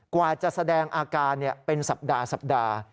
กว่าจะแสดงอาการเป็นสัปดาห์